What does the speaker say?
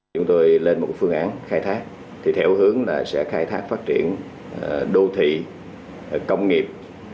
chúng tôi lên một phương án khai thác thì theo hướng là sẽ khai thác phát triển đô thị công nghiệp